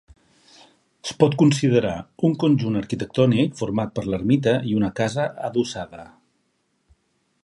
Es pot considerar un conjunt arquitectònic format per l'ermita i una casa adossada.